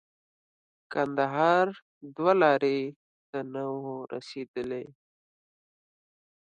کندهار دوه لارې ته نه وو رسېدلي.